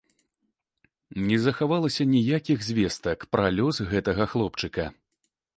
Не захавалася ніякіх звестак пра лёс гэтага хлопчыка.